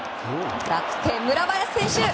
楽天、村林選手！